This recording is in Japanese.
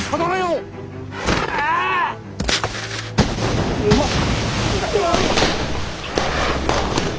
うわっ！